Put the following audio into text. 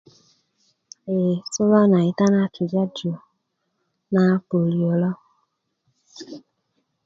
ee suluwa na kita na tujarju na pölyölyö'